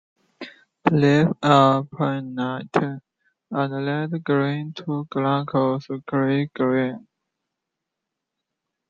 The leaves are pinnate and light green to glaucous grey-green.